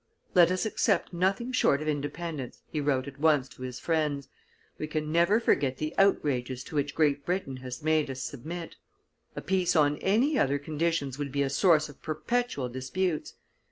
"Let us accept nothing short of Independence," he wrote at once to his friends: "we can never forget the outrages to which Great Britain has made us submit; a peace on any other conditions would be a source of perpetual disputes.